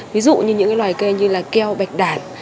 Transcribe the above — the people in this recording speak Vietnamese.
ví dụ như những cái loài cây như là keo bạch đạn